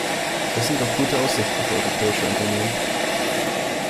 Das sind doch gute Aussichten für europäische Unternehmen.